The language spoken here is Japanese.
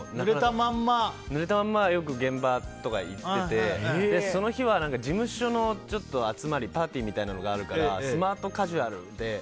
ぬれたまんまよく現場とか行っててその日は事務所の集まりパーティーみたいなのがあるからスマートカジュアルで。